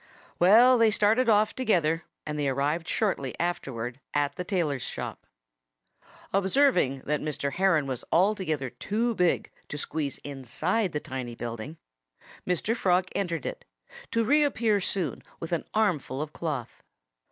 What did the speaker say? Well, they started off together; and they arrived shortly afterward at the tailor's shop. Observing that Mr. Heron was altogether too big to squeeze inside the tiny building, Mr. Frog entered it, to reappear soon with an armful of cloth.